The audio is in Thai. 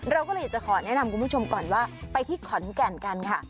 เราก็เลยอยากจะขอแนะนำคุณผู้ชมก่อนว่าไปที่ขอนแก่นกันค่ะ